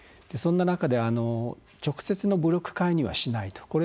そんな中で直接の武力介入はしないと。